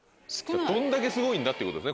どんだけすごいんだってことですね